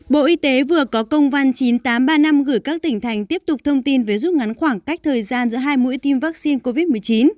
bộ y tế vừa có công văn chín nghìn tám trăm ba mươi năm gửi các tỉnh thành tiếp tục thông tin về rút ngắn khoảng cách thời gian giữa hai mũi tiêm vaccine covid một mươi chín